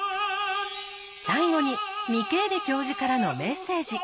最後にミケーレ教授からのメッセージ。